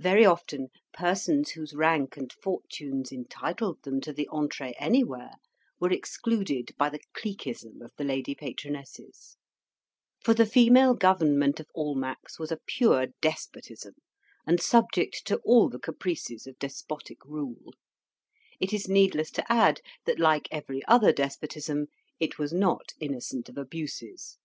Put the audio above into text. Very often persons whose rank and fortunes entitled them to the entree anywhere, were excluded by the cliqueism of the lady patronesses; for the female government of Almack's was a pure despotism, and subject to all the caprices of despotic rule: it is needless to add that, like every other despotism, it was not innocent of abuses.